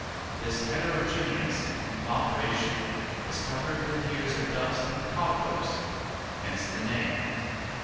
This heterogeneous conglomeration was covered with years of dust and cobwebs, hence the name.